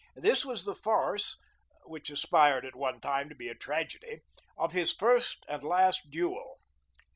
This was the farce which aspired at one time to be a tragedy of his first and last duel.